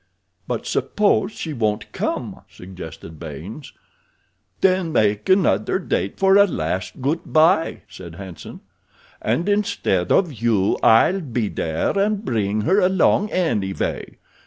"But suppose she won't come?" suggested Baynes. "Then make another date for a last good bye," said Hanson, "and instead of you I'll be there and I'll bring her along anyway.